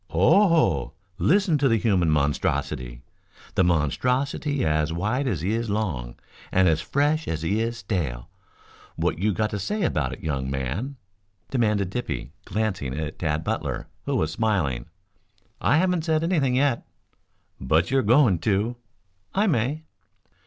"Oho! Listen to the human monstrosity the monstrosity as wide as he is long and as fresh as he is stale. What you got to say about it, young man?" demanded Dippy, glancing at Tad Butler, who was smiling. "I haven't said anything yet." "But you're going to?" "I may."